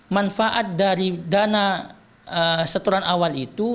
manfaat dari dana setoran awal itu